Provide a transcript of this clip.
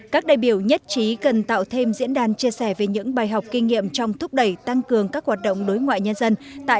các đại biểu nhất trí cần tạo thêm diễn đàn chia sẻ về những bài học kinh nghiệm trong thúc đẩy tăng cường các hoạt động đối ngoại nhân dân